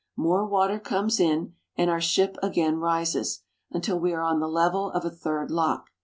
More water comes in and our ship again rises, until we are on the level of a third lock.